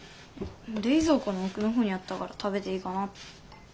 冷蔵庫の奥の方にあったから食べていいかなって。